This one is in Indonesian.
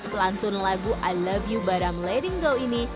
pelantun lagu i love you barang lading go ini